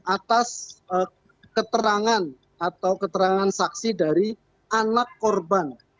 atas keterangan atau keterangan saksi dari anak korban